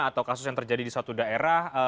atau kasus yang terjadi di suatu daerah